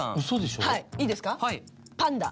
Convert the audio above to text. はいいいですかパンダ。